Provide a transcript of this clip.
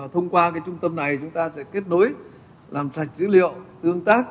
thông qua trung tâm này chúng ta sẽ kết nối làm sạch dữ liệu tương tác